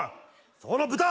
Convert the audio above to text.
そこの豚！